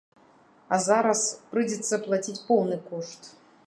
А зараз прыйдзецца плаціць поўны кошт.